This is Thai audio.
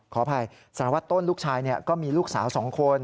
ขออภัยสารวัตต้นลูกชายก็มีลูกสาว๒คน